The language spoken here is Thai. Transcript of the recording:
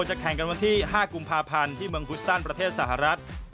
จะแข่งกันวันที่๕กุมภาพันธ์ที่เมืองคุสตันประเทศสหรัฐ